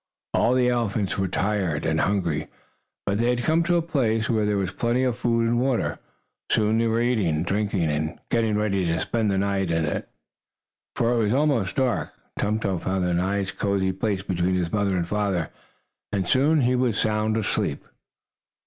All the elephants were tired, and hungry. But they had come to a place where there was plenty of food and water. Soon they were eating, drinking and getting ready to spend the night in the jungle, for it was now almost dark. Tum Tum found a nice cozy place between his mother and father, and soon he was sound asleep.